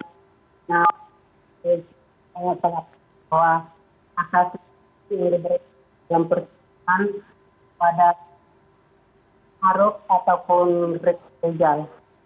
saya sangat berharap bahwa asasnya ini berhubungan dengan perhubungan pada harum ataupun berhubungan dengan perhubungan